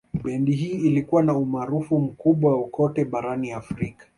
Bendi hii ilikuwa na umaarufu mkubwa kote barani Afrika